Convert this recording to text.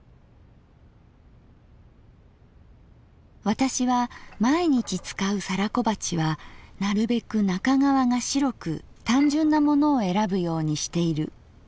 「私は毎日使う皿小鉢はなるべく中側が白く単純なものをえらぶようにしている。